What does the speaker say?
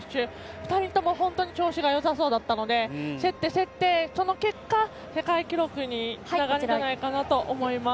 ２人とも本当に調子がよさそうだったので競って競って、その結果世界記録につながるんじゃないかと思います。